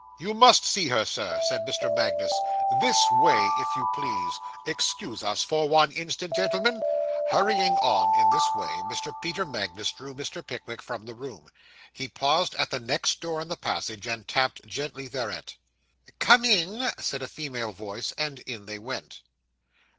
'You must see her. Sir,' said Mr. Magnus; 'this way, if you please. Excuse us for one instant, gentlemen.' Hurrying on in this way, Mr. Peter Magnus drew Mr. Pickwick from the room. He paused at the next door in the passage, and tapped gently thereat. 'Come in,' said a female voice. And in they went.